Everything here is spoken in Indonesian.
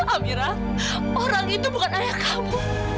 amira orang itu bukan ayah kamu